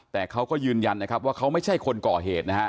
แต่เขาก็ยืนยันนะครับว่าเขาไม่ใช่คนก่อเหตุนะฮะ